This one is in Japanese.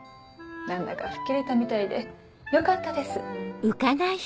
何だか吹っ切れたみたいでよかったです。